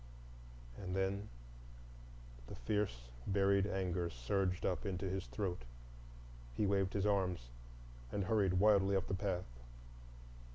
And then the fierce, buried anger surged up into his throat. He waved his arms and hurried wildly up the path.